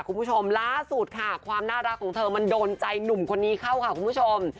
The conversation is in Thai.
คุณผู้ชมล่าสุดค่ะความน่ารักของเธอมันโดนใจหนุ่มคนนี้เข้าค่ะคุณผู้ชม